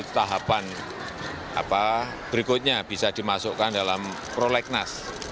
tahapan berikutnya bisa dimasukkan dalam prolegnas